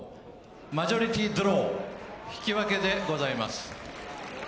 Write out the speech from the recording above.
マジョリティー・ドロー、引き分けでございます。